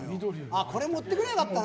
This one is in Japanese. これ、持ってくれば良かったな。